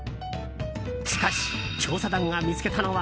しかし、調査団が見つけたのは。